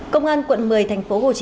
công an quận một mươi tp hcm đã khởi